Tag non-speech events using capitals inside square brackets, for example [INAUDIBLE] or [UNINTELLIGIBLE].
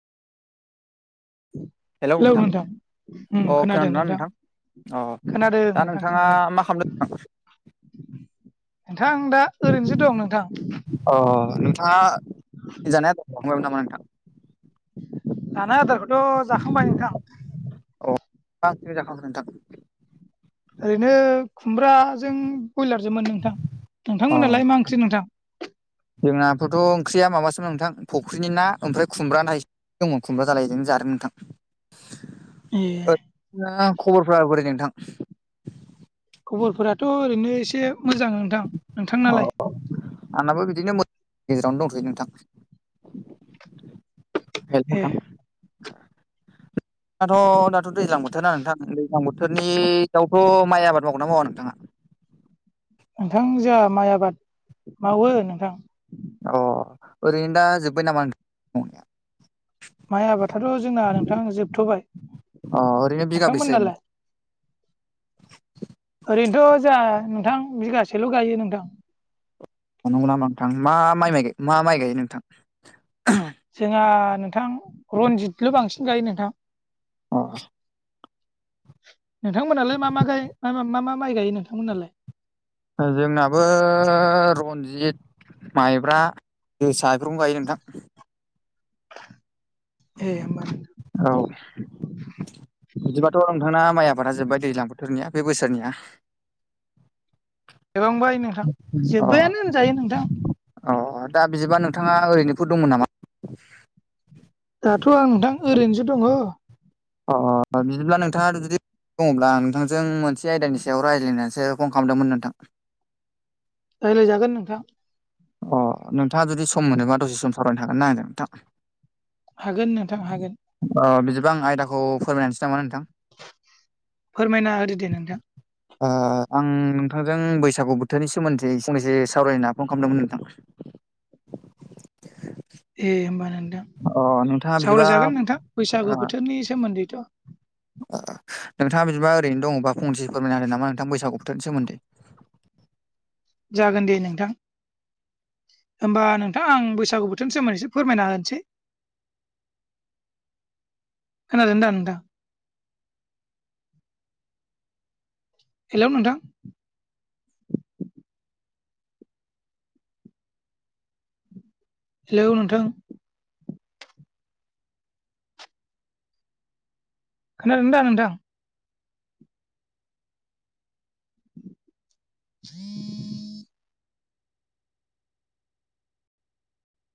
Hello नोंथां, उम अ खोनादों ना नोंथां नोथां? अ खोनादों दा नोंथां नोंथाङा खोनादों मा खामदो [INAUDIBLE] [INAUDIBLE] नोंथां दा ओरैनोसो दं नोंथां अ नोंथाङा जानाय आ [UNINTELLIGIBLE] नोंथां। [INAUDIBLE] जानाय आदार ख [INAUDIBLE] अ मा ओंख्रि जाखांखो नोंथां? ओरैनो खुमब्राजों बयलार जोंमोन नोंथां। अ नोंथांमोनालाय मा ओंख्रि नोंथां जोंना थथ' ओंख्रिया माबासोमोन नोंथां फख्रिनि ना ओमफ्राय खुमब्रा न दङ खुमब्रा जालायजोंनो जादों नोंथां। ए [UNINTELLIGIBLE] खबरफ्रा बोरै नोंथां? खबरफोराथ' ओरैनो एसे मोजां नोंथां। नोंथांनालाय औ आंनाबो बिदिनो मो गेजेरावनो दंथ'यो नोंथां। हेल' ए नोंथां। दाथ'-दाथ' दैज्लां बोथोरना नोंथां दैज्लां बो थोरनियावथ' माइ आबाद मावगोन ना मावा नोंथाङा? नोंथां जोहा माइ आबाद मावो नोंथां। अ ओरैनो दा जोब्बाय नामा [INAUDIBLE] मावनाया? माइ आबादाथ' जोंना नोंथां जोबथ'बाय। अ ओरैनो बिगाबैसे नोंथांमोनालाय? ओरैनोथ' जोहा नोंथां बिगासेल' गायो नोंथां। अ नांगौ नामा नोंथां। मा माइ-माइ मा माइ गायो नोंथां? जोंहा नोंथां रनजितल' बांसिन गायो नोंथां। अ। नोंथांमोनालाय मा-मा गाय मा-मा माइ गायो नोंथांमोनालाय? जोंनाबो रनजित। माइब्रा जोसा बेफोरखौनो गायो नोंथां। [INAUDIBLE] ए होमबा नोंथां। औ। बिदिबाथ' नोंथाना माइ आबादा जोब्बाय दैज्लां बोथोरनिया बे बोसोरनिया। जोबांबाय नोंथां। अ जोब्बायानो होनजायो नोंथां। अ दा बिदिबा नोंथाङा ओरैनोफोर दंमोन नामा? दाथ' आं नोंथां ओरैनोसो दङ। अ बिदिब्ला नोंथाङा जुदि दङब्ला नोंथांजों मोनसे आयदानि सायाव रायज्लायनोसो फन खालामदोंमोन नोंथां। रायज्लायजागोन नोंथां। अ नोंथाङा जुदि सम मोनोबा दसे सम सावरायनो हागोन ना आंजों नोंथां? हागोन नोंथां हागोन। अ बिदिबा आं आयदाखौ फोरमायना होनसै नामा नोंथां? फोरमायना होदो दे नोंथां। ओ‌ आं नोंथांजों बैसागु बोथोरनि सोमोन्दै फंनैसो सावरायना फन खालामदोंमोन नों थां [INAUDIBLE] ए होमबा नोंथां बिदिबा सावराय जागोन नोंथां बैसागु बोथोरनि सोमोन्दैथ'। ओ नोंथाङा बिदिबा ओरैनो दङबा फंनैसो फोरमायना होदो नामा नोंथां बैसागु बोथोरनि सोमोन्दै। जागोन दे नोंथां। होमबा नोंथां आं बैसागु बोथोरनि सोमोन्दै एसे फोरमायना होनसै। खोनादों दा नोंथां? हेलौ नोंथां। हेलौ नोंथां। खोनादों दा नोंथां? [INAUDIBLE]